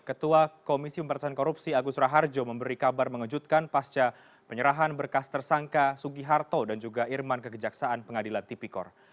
ketua komisi pemberantasan korupsi agus raharjo memberi kabar mengejutkan pasca penyerahan berkas tersangka sugiharto dan juga irman kekejaksaan pengadilan tipikor